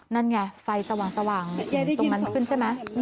นั่นไงไฟสว่างสว่างตรงนั้นขึ้นใช่ไหมอืม